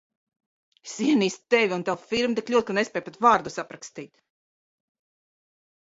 Es ienīstu Tevi un tavu firmu tik ļoti, ka nespēju pat vārdos aprakstīt.